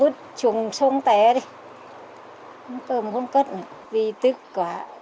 tuexisting hậu quả